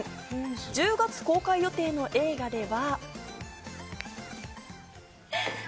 １０月公開予定の映画では。